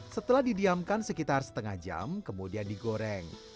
setelah didiamkan sekitar setengah jam kemudian digoreng